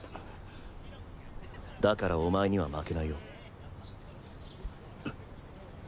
だからお前には負けないよ。